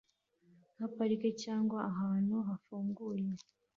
nka parike cyangwa ahantu hafunguye